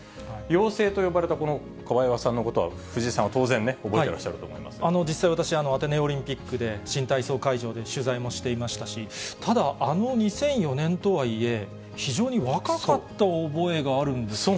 妖精と呼ばれたこのカバエワさんのことは、藤井さんは当然、実際、私、アテネオリンピックで新体操会場で取材もしていましたし、ただ、あの２００４年とはいえ、非常に若かった覚えがあるんですよね。